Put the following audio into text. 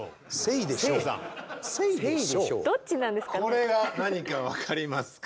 これが何か分かりますか？